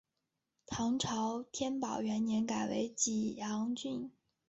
唐朝天宝元年改为济阳郡。